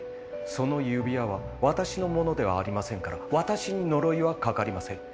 その指輪は私の物ではありませんから私に呪いはかかりません。